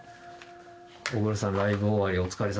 大黒さんライブ終わり